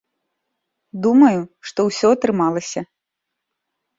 Думаю, што ўсё атрымалася.